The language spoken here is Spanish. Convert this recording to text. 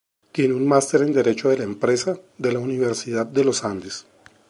Tiene un máster en Derecho de la Empresa de la Universidad de los Andes.